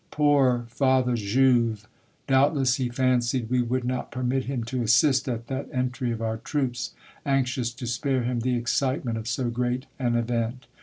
" Poor Father Jouve ! Doubtless he fancied we would not permit him to assist at that entry of our troops, an; cious to spare him the excitement of so great an event.